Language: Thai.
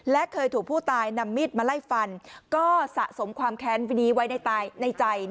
และเคยถูกผู้ตายนำมีดมาไล่ฟันก็สะสมความแค้นวินีไว้ในใจ